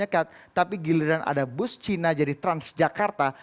jadi penyekat tapi giliran ada bus cina jadi transjakarta